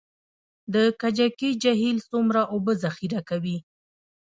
د کجکي جهیل څومره اوبه ذخیره کوي؟